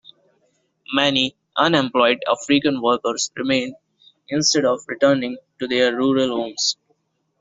Many unemployed African workers remained, instead of returning to their rural homes.